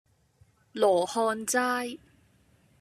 羅漢齋